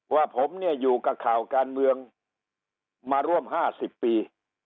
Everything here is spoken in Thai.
ว่าผมเนี่ยอยู่กับข่าวการเมืองมาร่วม๕๐ปี